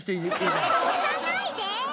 押さないで！